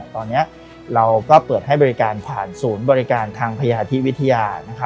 ตอนนี้เราก็เปิดให้บริการผ่านศูนย์บริการทางพยาธิวิทยา